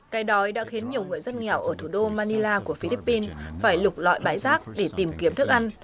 cái đói đã khiến nhiều người rất nghèo ở thủ đô manila của philippines phải lục loại bái giác để tìm kiếm thức ăn